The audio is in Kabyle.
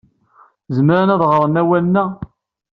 Zemren ad ɣren awalen-a?